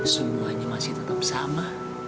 semuanya masih tetap sama